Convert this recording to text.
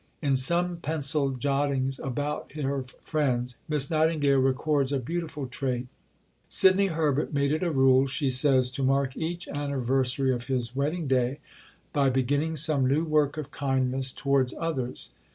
In some pencilled jottings about her friends, Miss Nightingale records a beautiful trait; Sidney Herbert made it a rule, she says, to mark each anniversary of his wedding day by beginning some new work of kindness towards others.